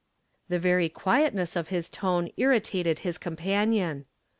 " The very quietness of his tone irritated his com panion.